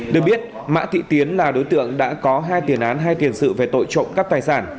được biết mã thị tiến là đối tượng đã có hai tiền án hai tiền sự về tội trộm cắp tài sản